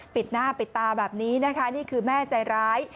ปิดหน้าปิดตาแบบนี้นะคะนี่คือแม่ใจร้าย